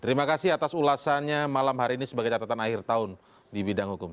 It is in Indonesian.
terima kasih atas ulasannya malam hari ini sebagai catatan akhir tahun di bidang hukum